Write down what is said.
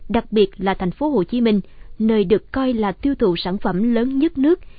đặc biệt là thành phố hồ chí minh nơi được coi là tiêu thụ sản phẩm lớn nhất nước